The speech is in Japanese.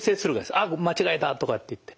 あっ間違えたとかっていって。